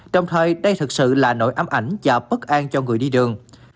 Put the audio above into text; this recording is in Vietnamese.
trong thời đây thực sự là nỗi âm ảnh và bất an cho người đi đường